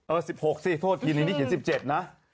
เออ๑๖สิโทษทีนี้ชี้เจ็ดนะ